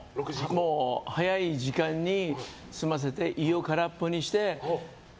早い時間に済ませて胃を空っぽにして。